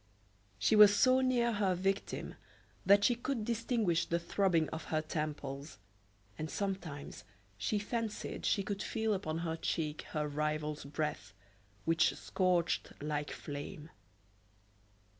She was so near her victim that she could distinguish the throbbing of her temples, and sometimes she fancied she could feel upon her cheek her rival's breath, which scorched like flame.